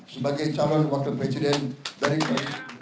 sebagai calon wakil presiden dari presiden